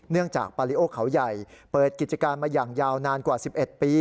จากปาริโอเขาใหญ่เปิดกิจการมาอย่างยาวนานกว่า๑๑ปี